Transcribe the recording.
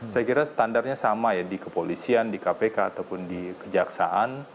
saya kira standarnya sama ya di kepolisian di kpk ataupun di kejaksaan